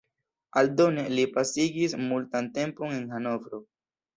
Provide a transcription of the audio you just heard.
Aldone li pasigis multan tempon en Hanovro.